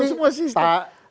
ya udah berarti